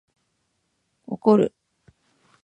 怒る